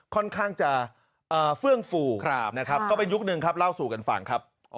ค่อนข้างจะเฟื่องฟูนะครับก็เป็นยุคนึงครับเล่าสู่กันฟังครับ